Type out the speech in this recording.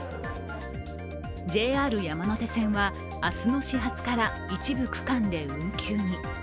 ＪＲ山手線は明日の始発から一部区間で運休に。